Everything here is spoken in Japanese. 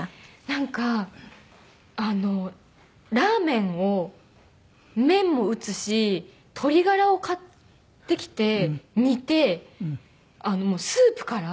なんかあのラーメンを麺も打つし鶏がらを買ってきて煮てスープから。